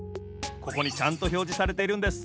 ここにちゃんとひょうじされているんです。